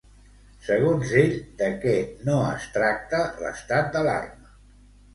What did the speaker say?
Segons ell, de què no es tracta l'estat d'alarma?